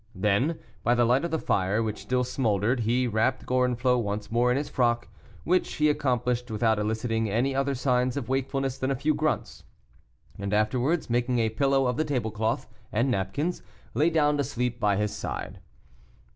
Then, by the light of the fire which still smouldered, he wrapped Gorenflot once more in his frock, which he accomplished without eliciting any other signs of wakefulness than a few grunts, and afterwards making a pillow of the table cloth and napkins, lay down to sleep by his side.